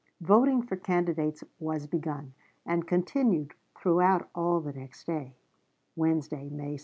Voting for candidates was begun, and continued throughout all the next day (Wednesday, May 2).